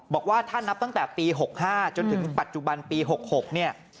บอกว่าถ้านับตั้งแต่ปี๖๕จนถึงปัจจุบันปี๖๖เนี่ย